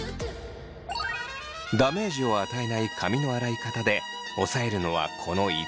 ダメージを与えない髪の洗い方で押さえるのはこの５つ。